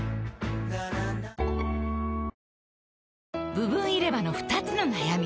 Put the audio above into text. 部分入れ歯の２つの悩み